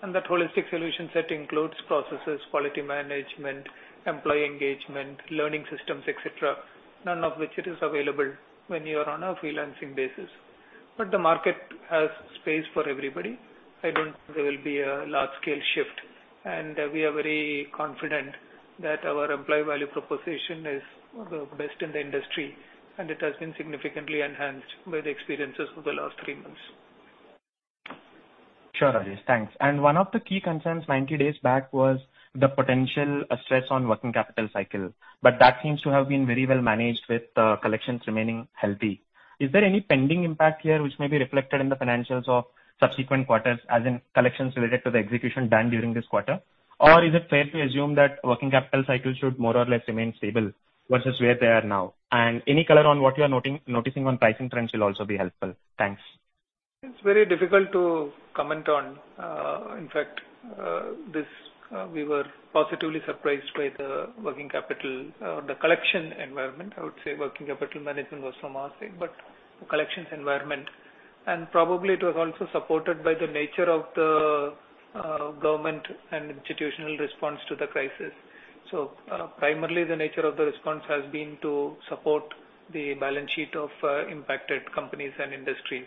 That holistic solution set includes processes, quality management, employee engagement, learning systems, et cetera. None of which it is available when you are on a freelancing basis. The market has space for everybody. I don't think there will be a large-scale shift, and we are very confident that our employee value proposition is the best in the industry, and it has been significantly enhanced by the experiences over the last three months. Sure, Rajesh. Thanks. One of the key concerns 90 days back was the potential stress on working capital cycle, but that seems to have been very well managed with collections remaining healthy. Is there any pending impact here which may be reflected in the financials of subsequent quarters as in collections related to the execution done during this quarter? Is it fair to assume that working capital cycle should more or less remain stable versus where they are now? Any color on what you're noticing on pricing trends will also be helpful. Thanks. It's very difficult to comment on. In fact, we were positively surprised by the working capital, the collection environment, I would say working capital management was from our side, but the collections environment. Probably it was also supported by the nature of the government and institutional response to the crisis. Primarily, the nature of the response has been to support the balance sheet of impacted companies and industries.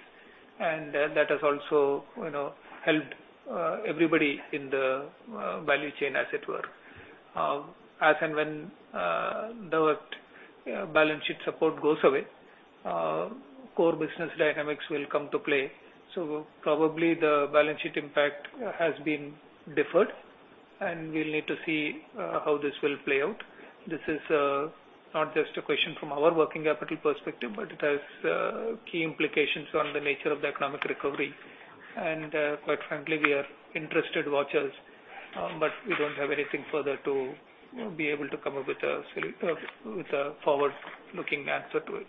That has also helped everybody in the value chain as it were. As and when the balance sheet support goes away, core business dynamics will come to play. Probably the balance sheet impact has been deferred, and we'll need to see how this will play out. This is not just a question from our working capital perspective, but it has key implications on the nature of the economic recovery. Quite frankly, we are interested watchers. We don't have anything further to be able to come up with a forward-looking answer to it.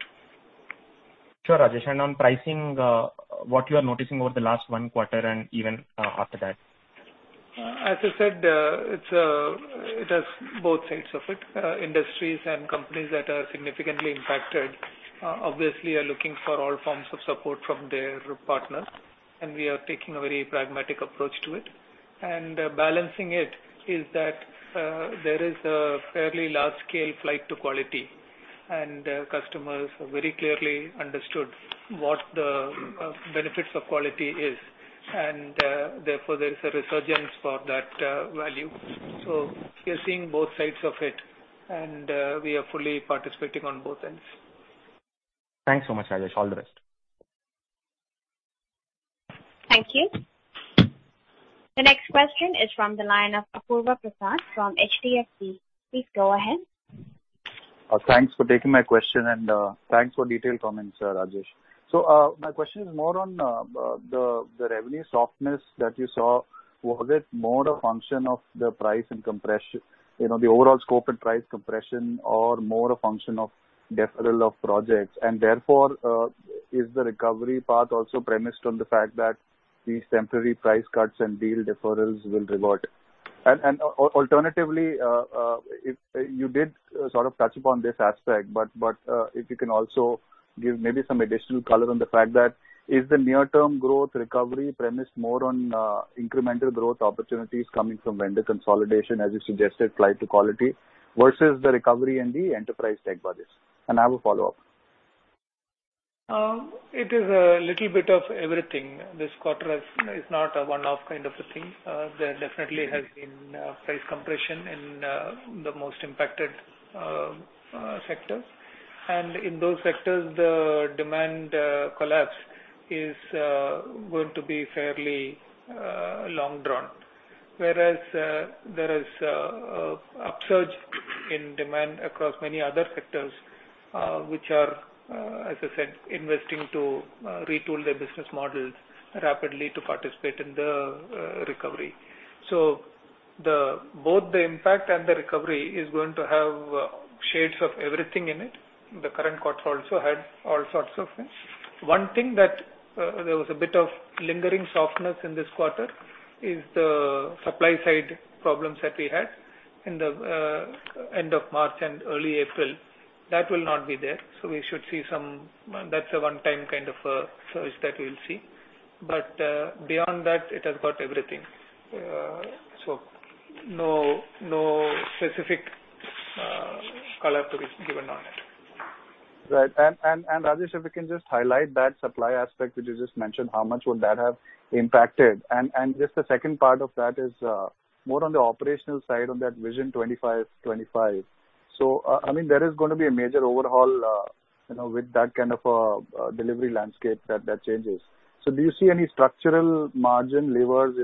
Sure, Rajesh. On pricing, what you are noticing over the last one quarter and even after that? As I said, it has both sides of it. Industries and companies that are significantly impacted obviously are looking for all forms of support from their partners, and we are taking a very pragmatic approach to it. Balancing it is that there is a fairly large-scale flight to quality, and customers have very clearly understood what the benefits of quality is, and therefore there is a resurgence for that value. We are seeing both sides of it, and we are fully participating on both ends. Thanks so much, Rajesh. All the best. Thank you. The next question is from the line of Apurva Prasad from HDFC. Please go ahead. Thanks for taking my question, thanks for detailed comments, Rajesh. My question is more on the revenue softness that you saw. Was it more a function of the price and compression, the overall scope and price compression or more a function of deferral of projects? Therefore, is the recovery path also premised on the fact that these temporary price cuts and deal deferrals will revert? Alternatively, you did sort of touch upon this aspect, but if you can also give maybe some additional color on the fact that is the near-term growth recovery premised more on incremental growth opportunities coming from vendor consolidation, as you suggested, flight to quality, versus the recovery in the enterprise tech budgets. I have a follow-up. It is a little bit of everything. This quarter is not a one-off kind of a thing. There definitely has been price compression in the most impacted sectors. In those sectors, the demand collapse is going to be fairly long-drawn. Whereas there is a upsurge in demand across many other sectors, which are, as I said, investing to retool their business models rapidly to participate in the recovery. Both the impact and the recovery is going to have shades of everything in it. The current quarter also had all sorts of things. One thing that there was a bit of lingering softness in this quarter is the supply-side problems that we had in the end of March and early April. That will not be there. We should see some That's a one-time kind of a surge that we'll see. Beyond that, it has got everything. No specific color to be given on it. Right. Rajesh, if you can just highlight that supply aspect that you just mentioned, how much would that have impacted? Just the second part of that is more on the operational side on that Vision 25/25. There is going to be a major overhaul, with that kind of a delivery landscape that changes. Do you see any structural margin levers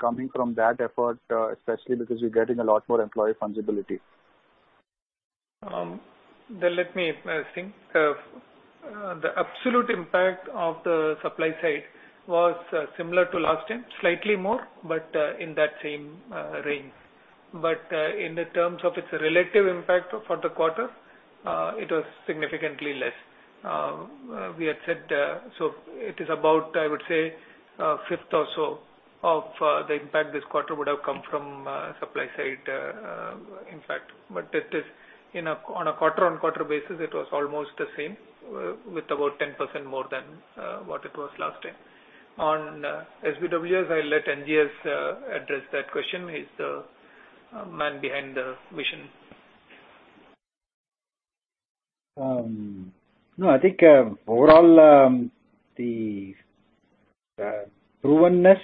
coming from that effort, especially because you're getting a lot more employee fungibility? Let me think. The absolute impact of the supply side was similar to last time, slightly more, but in that same range. In the terms of its relative impact for the quarter, it was significantly less. It is about, I would say, a fifth or so of the impact this quarter would have come from supply-side impact. On a quarter-on-quarter basis, it was almost the same with about 10% more than what it was last time. On SBWS, I let NGS address that question. He's the man behind the mission. No, I think overall, the provenness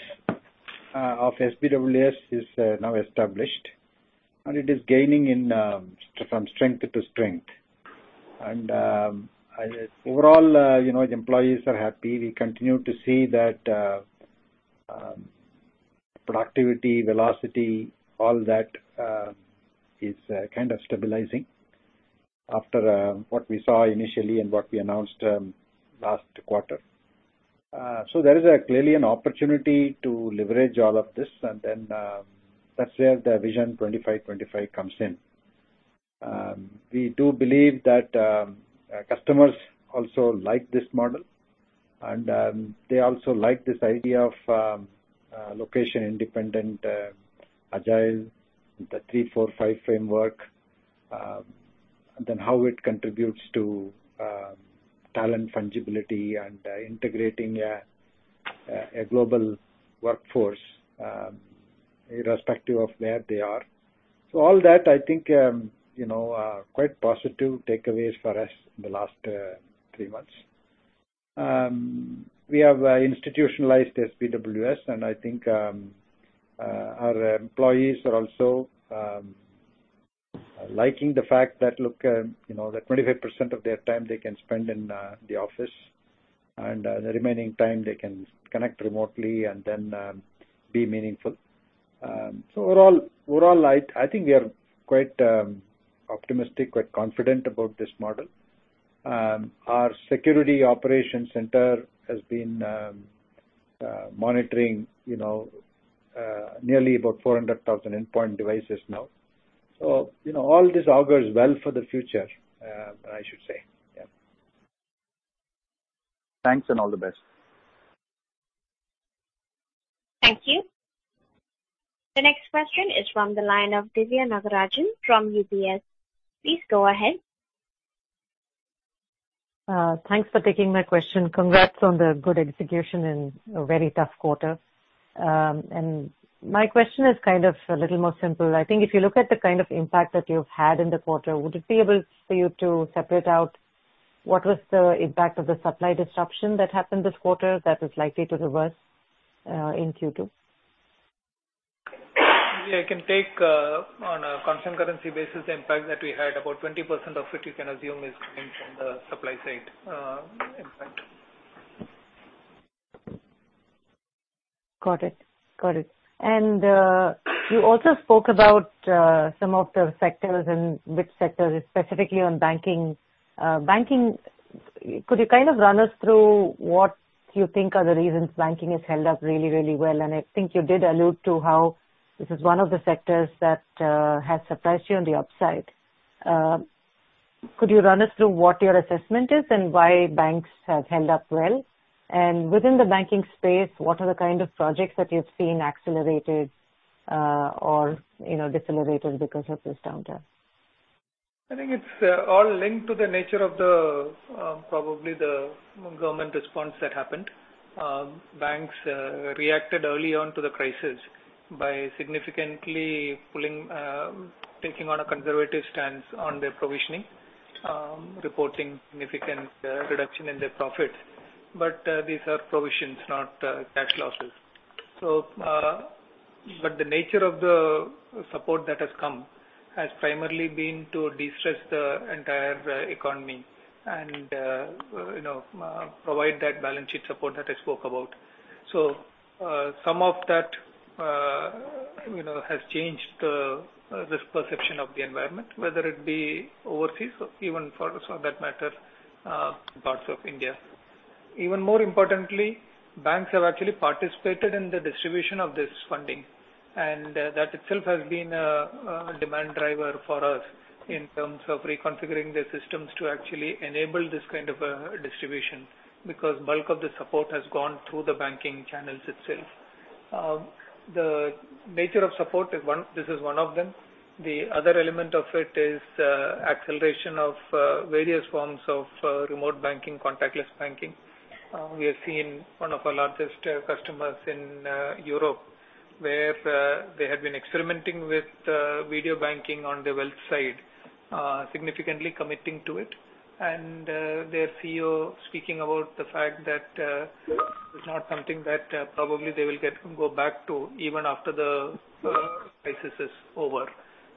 of SBWS is now established, and it is gaining from strength to strength. Overall the employees are happy. We continue to see that productivity, velocity, all that is kind of stabilizing after what we saw initially and what we announced last quarter. There is clearly an opportunity to leverage all of this, and then that's where the Vision 25/25 comes in. We do believe that customers also like this model, and they also like this idea of Location Independent Agile, the three, four, five framework, then how it contributes to talent fungibility and integrating a global workforce irrespective of where they are. All that, I think, quite positive takeaways for us in the last three months. We have institutionalized SBWS, and I think our employees are also liking the fact that, look, the 25% of their time they can spend in the office, and the remaining time they can connect remotely and then be meaningful. Overall, I think we are quite optimistic, quite confident about this model. Our security operations center has been monitoring nearly about 400,000 endpoint devices now. All this augurs well for the future, I should say. Thanks, and all the best. Thank you. The next question is from the line of Divya Nagarajan from UBS. Please go ahead. Thanks for taking my question. Congrats on the good execution in a very tough quarter. My question is a little more simple. I think if you look at the kind of impact that you've had in the quarter, would it be able for you to separate out what was the impact of the supply disruption that happened this quarter that is likely to reverse in Q2? Yeah, I can take. On a constant currency basis, the impact that we had, about 20% of it you can assume is coming from the supply side impact. Got it. You also spoke about some of the sectors and which sectors, specifically on banking. Could you run us through what you think are the reasons banking has held up really well? I think you did allude to how this is one of the sectors that has surprised you on the upside. Could you run us through what your assessment is and why banks have held up well? Within the banking space, what are the kind of projects that you've seen accelerated or decelerated because of this downturn? I think it's all linked to the nature of probably the government response that happened. Banks reacted early on to the crisis by significantly taking on a conservative stance on their provisioning, reporting significant reduction in their profits. These are provisions, not tax losses. The nature of the support that has come has primarily been to de-stress the entire economy and provide that balance sheet support that I spoke about. Some of that has changed risk perception of the environment, whether it be overseas or even for that matter, parts of India. Even more importantly, banks have actually participated in the distribution of this funding, and that itself has been a demand driver for us in terms of reconfiguring the systems to actually enable this kind of a distribution. Bulk of the support has gone through the banking channels itself. The nature of support, this is one of them. The other element of it is acceleration of various forms of remote banking, contactless banking. We have seen one of our largest customers in Europe, where they had been experimenting with video banking on the wealth side, significantly committing to it. Their CEO speaking about the fact that it's not something that probably they will go back to even after the crisis is over.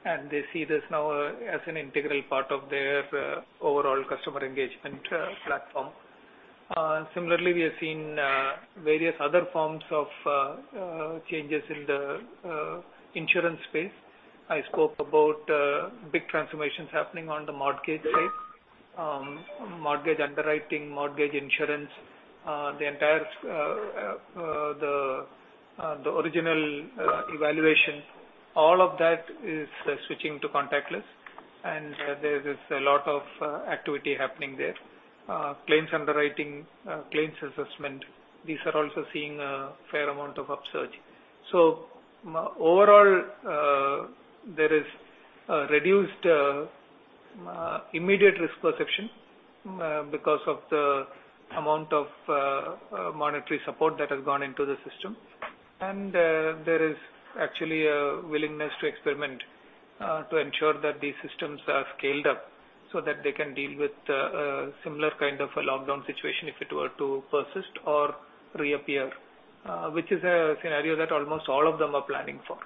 They see this now as an integral part of their overall customer engagement platform. Similarly, we have seen various other forms of changes in the insurance space. I spoke about big transformations happening on the mortgage side. Mortgage underwriting, mortgage insurance the original evaluation. All of that is switching to contactless and there is a lot of activity happening there. Claims underwriting, claims assessment, these are also seeing a fair amount of upsurge. Overall, there is a reduced immediate risk perception because of the amount of monetary support that has gone into the system. There is actually a willingness to experiment to ensure that these systems are scaled up so that they can deal with similar kind of a lockdown situation if it were to persist or reappear which is a scenario that almost all of them are planning for.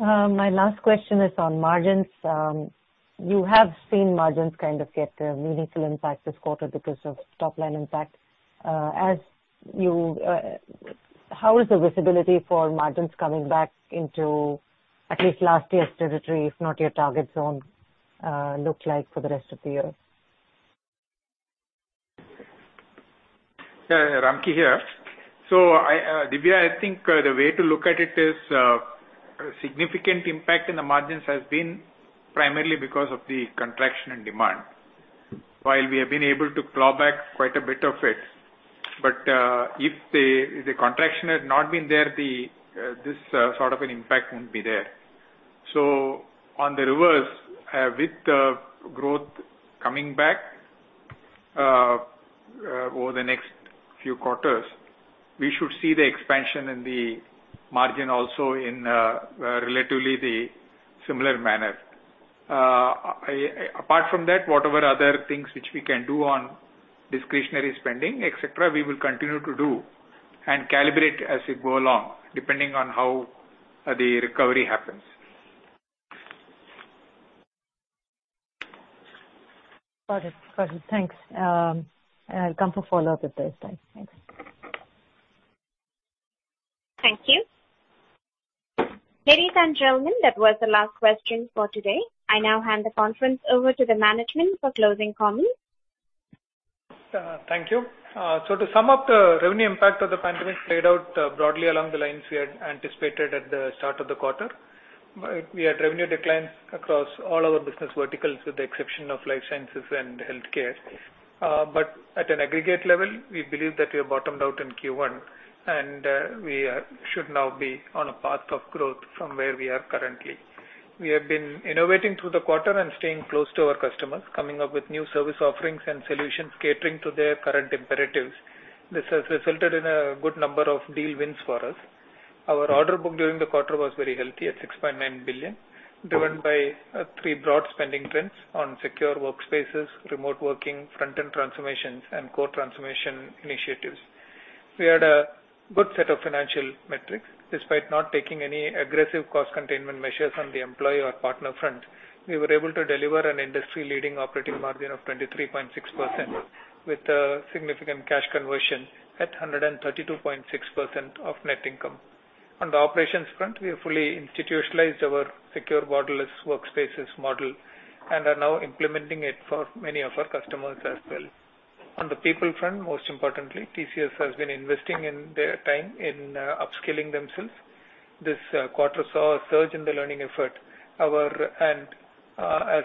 My last question is on margins. You have seen margins kind of get a meaningful impact this quarter because of top-line impact. How is the visibility for margins coming back into at least last year's territory, if not your target zone look like for the rest of the year? Yeah, Ramki here. Divya, I think the way to look at it is a significant impact in the margins has been primarily because of the contraction in demand. While we have been able to claw back quite a bit of it. If the contraction had not been there, this sort of an impact won't be there. On the reverse, with growth coming back over the next few quarters, we should see the expansion in the margin also in relatively the similar manner. Apart from that, whatever other things which we can do on discretionary spending, et cetera, we will continue to do and calibrate as we go along, depending on how the recovery happens. Got it. Thanks. I'll come for follow-up if there's time. Thanks. Thank you. Ladies and gentlemen, that was the last question for today. I now hand the conference over to the management for closing comments. Thank you. To sum up, the revenue impact of the pandemic played out broadly along the lines we had anticipated at the start of the quarter. We had revenue declines across all our business verticals, with the exception of life sciences and healthcare. At an aggregate level, we believe that we have bottomed out in Q1, and we should now be on a path of growth from where we are currently. We have been innovating through the quarter and staying close to our customers, coming up with new service offerings and solutions catering to their current imperatives. This has resulted in a good number of deal wins for us. Our order book during the quarter was very healthy at $6.9 billion, driven by three broad spending trends on secure workspaces, remote working, front-end transformations, and core transformation initiatives. We had a good set of financial metrics. Despite not taking any aggressive cost containment measures on the employee or partner front, we were able to deliver an industry-leading operating margin of 23.6% with significant cash conversion at 132.6% of net income. On the operations front, we have fully institutionalized our Secure Borderless Workspaces model. Are now implementing it for many of our customers as well. On the people front, most importantly, TCS has been investing in their time in upskilling themselves. This quarter saw a surge in the learning effort. As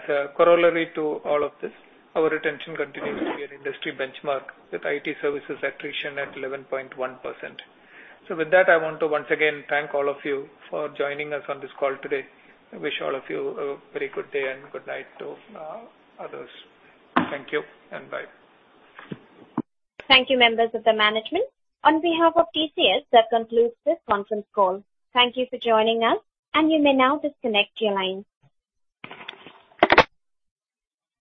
a corollary to all of this, our retention continues to be an industry benchmark with IT services attrition at 11.1%. With that, I want to once again thank all of you for joining us on this call today and wish all of you a very good day and good night to others. Thank you and bye. Thank you, members of the management. On behalf of TCS, that concludes this conference call. Thank you for joining us, and you may now disconnect your lines.